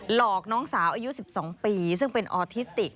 หลอกน้องสาวอายุ๑๒ปีซึ่งเป็นออทิสติก